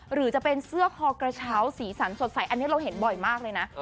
หรือจะเป็นเสื้อคอกระเช้าสีสันสดใสอันนี้เราเห็นบ่อยมากเลยนะ